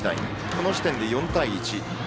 この時点で４対１。